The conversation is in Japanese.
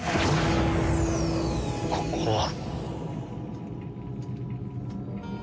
ここは？